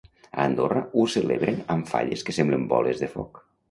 A Andorra, ho celebren amb falles que semblen boles de foc.